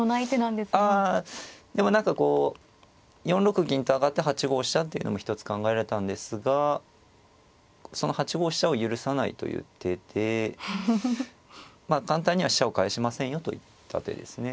あ何かこう４六銀と上がって８五飛車っていうのも一つ考えられたんですがその８五飛車を許さないという手で簡単には飛車を帰しませんよといった手ですね。